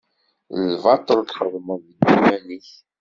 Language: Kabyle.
D lbaṭel i txedmeḍ deg yiman-ik.